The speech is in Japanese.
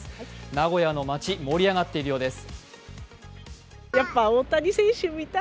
名古屋の街、盛り上がっているようです。